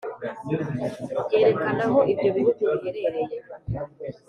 yerekana aho ibyo bihugu biherereye.